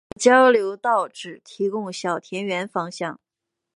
此交流道只提供小田原方向。